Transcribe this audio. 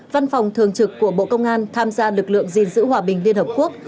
văn phòng thường trực của bộ công an tham gia lực lượng gìn giữ hòa bình liên hợp quốc